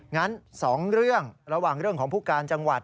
งั้น๒เรื่องระหว่างเรื่องของผู้การจังหวัด